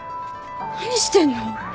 何してんの？